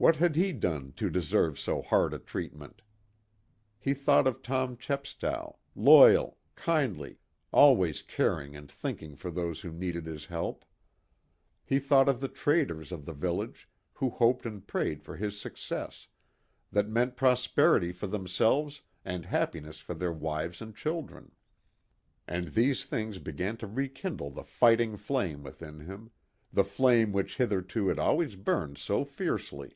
What had he done to deserve so hard a treatment? He thought of Tom Chepstow, loyal, kindly, always caring and thinking for those who needed his help. He thought of the traders of the village who hoped and prayed for his success, that meant prosperity for themselves and happiness for their wives and children. And these things began to rekindle the fighting flame within him; the flame which hitherto had always burned so fiercely.